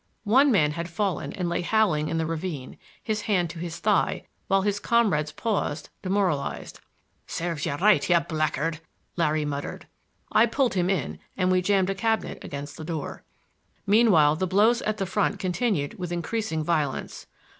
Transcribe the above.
One man had fallen and lay howling in the ravine, his hand to his thigh, while his comrades paused, demoralized. "Serves you right, you blackguard!" Larry muttered. I pulled him in and we jammed a cabinet against the door. Meanwhile the blows at the front continued with increasing violence.